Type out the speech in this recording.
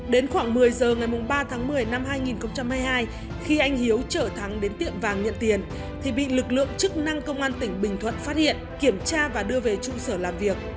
đến khoảng một mươi giờ ngày ba tháng một mươi năm hai nghìn hai mươi hai khi anh hiếu chở thắng đến tiệm vàng nhận tiền thì bị lực lượng chức năng công an tỉnh bình thuận phát hiện kiểm tra và đưa về trụ sở làm việc